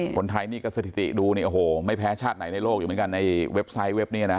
คนไทยนี่ก็สถิติดูไม่แพ้ชาติไหนในโลกอยู่เหมือนกันในเว็บไซต์